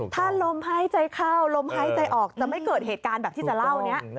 ถ้าลมหายใจเข้าลมหายใจออกจะไม่เกิดเหตุการณ์แบบที่จะเล่านี้